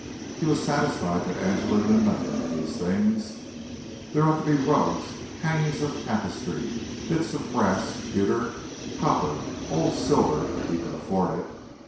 He was satisfied that Angela knew nothing of these things. There ought to be rugs, hangings of tapestry, bits of brass, pewter, copper, old silver, if he could afford it.